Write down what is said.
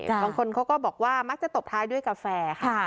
บางคนเขาก็บอกว่ามักจะตบท้ายด้วยกาแฟค่ะ